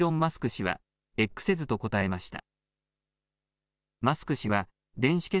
氏はＸ’ｓと答えました。